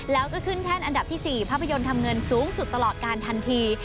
แล้วก็ขึ้นแท่นอันดับที่๔ภาพยนตร์ทำเงินสูงสุดตลอดการทันที